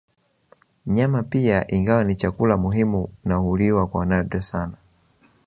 Nyama pia ingawa ni chakula muhimu na huliwa kwa nadra sana